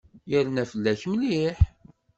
Yerna fell-ak mliḥ.